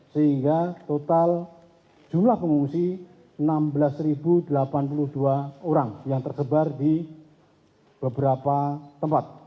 sehingga total jumlah pengungsi enam belas delapan puluh dua orang yang tersebar di beberapa tempat